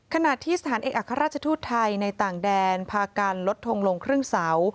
ขณะที่สถานเอกอัครราชทูตไทยในต่างแดนพากันลดทงลงครึ่งเสา